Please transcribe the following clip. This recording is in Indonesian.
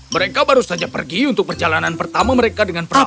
mereka baru saja pergi untuk perjalanan pertama mereka dengan perahu